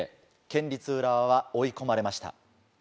県立浦和は追い込まれました。